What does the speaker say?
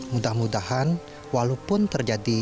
mudah mudahan walaupun terjadinya